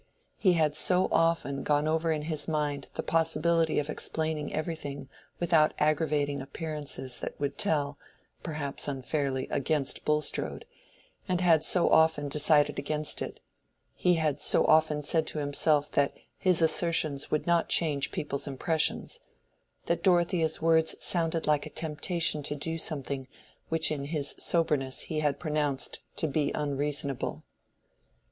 He had so often gone over in his mind the possibility of explaining everything without aggravating appearances that would tell, perhaps unfairly, against Bulstrode, and had so often decided against it—he had so often said to himself that his assertions would not change people's impressions—that Dorothea's words sounded like a temptation to do something which in his soberness he had pronounced to be unreasonable.